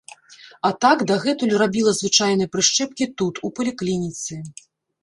А так, дагэтуль рабіла звычайныя прышчэпкі тут, у паліклініцы.